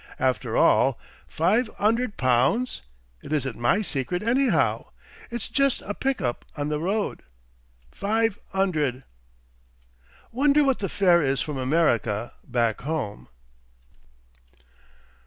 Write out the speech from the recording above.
"After all, five 'undred pounds.... It isn't MY secret, anyhow. It's jes' a pickup on the road. Five 'undred. "Wonder what the fare is from America back home?"